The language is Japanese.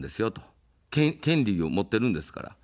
権利を持っているんですから。